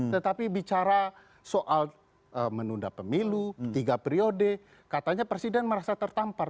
tetapi bicara soal menunda pemilu tiga periode katanya presiden merasa tertampar